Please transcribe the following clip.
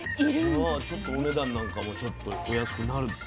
じゃあちょっとお値段なんかもちょっとお安くなる流れなの？